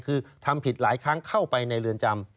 คือทำผิดหลายครั้งเข้าไปในเรือนจำ